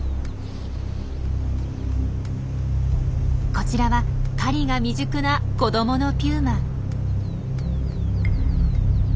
こちらは狩りが未熟な子どものピューマ。